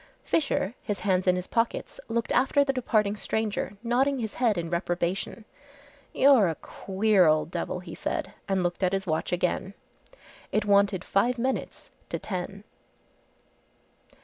Fisher, his hands in his pockets, looked after the departing stranger, nodding his head in reprobation. "You're a queer old devil," he said, and looked at his watch again. It wanted five minutes to ten.